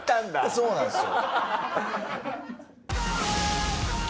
そうなんですよ。